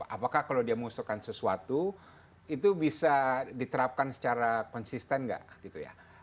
apakah kalau dia mengusulkan sesuatu itu bisa diterapkan secara konsisten nggak gitu ya